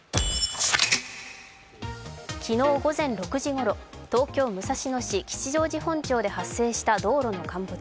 昨日午前６時ごろ、東京・武蔵野市吉祥寺本町で発生した道路の陥没。